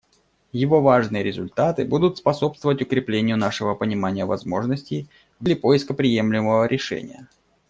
Его важные результаты будут способствовать укреплению нашего понимания возможностей в деле поиска приемлемого решения.